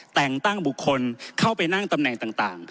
แต่งตั้งบุคคลเข้าไปนั่งตำแหน่งต่าง